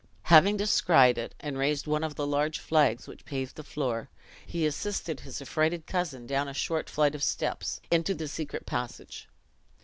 Having descried it, and raised one of the large flags which paved the floor, he assisted his affrighted cousin down a short flight of steps, into the secret passage.